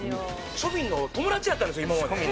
庶民の友達だったんですよ、今まで。